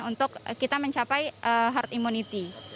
untuk kita mencapai herd immunity